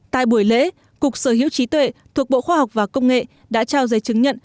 tại buổi lễ cục sở hữu trí tuệ thuộc bộ khoa học và công nghệ đã trao giấy chứng nhận